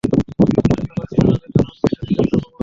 এসব ব্যাপার ছিল তাদের জন্য উৎকৃষ্ট দৃষ্টান্ত ও প্রমাণ।